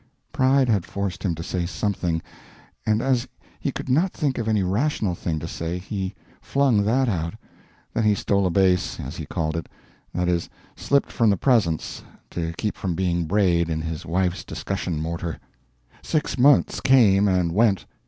Pride had forced him to say something, and as he could not think of any rational thing to say he flung that out. Then he stole a base as he called it that is, slipped from the presence, to keep from being brayed in his wife's discussion mortar. Six months came and went.